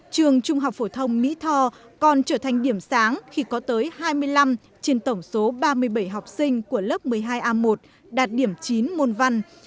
trường trung học phổ thông mỹ tho còn trở thành điểm sáng khi có tới hai mươi năm trên tổng số ba mươi bảy học sinh của lớp một mươi hai a một đạt điểm chín môn văn